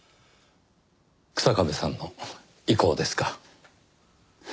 日下部さんの意向ですか？